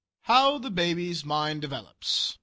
HOW THE BABY'S MIND DEVELOPS.